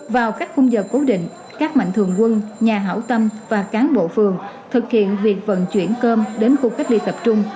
vào các khung giờ cố định các mạnh thường quân nhà hảo tâm và cán bộ phường thực hiện việc vận chuyển cơm đến khu cách ly tập trung